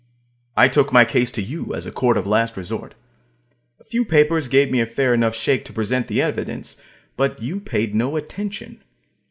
I took my case to you, as a court of last resort. A few papers gave me a fair enough shake to present the evidence, but you paid no attention.